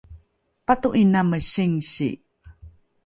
pato’iname singsi